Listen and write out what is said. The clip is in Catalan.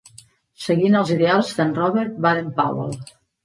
Seguint els ideals d'en Robert Baden-Powell.